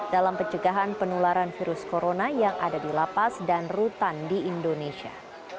dalam pencegahan penularan virus corona yang ada di lapas dan rutan di indonesia